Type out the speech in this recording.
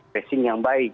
tracing yang baik